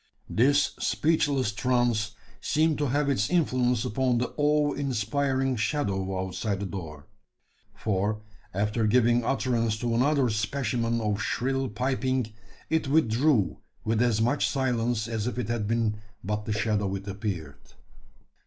This speechless trance seemed to have its influence upon the awe inspiring shadow outside the door: for, after giving utterance to another specimen of shrill piping, it withdrew with as much silence as if it had been but the shadow it appeared!